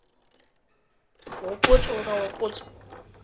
Уаҟәыҵ уара, уаҟәыҵ!